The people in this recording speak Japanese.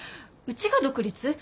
うちが独立？